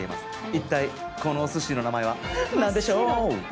一体このお寿司の名前は何でしょう？